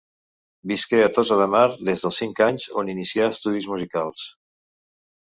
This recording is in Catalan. Visqué a Tossa de Mar des dels cinc anys, on inicià estudis musicals.